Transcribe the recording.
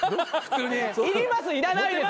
いりますいらないです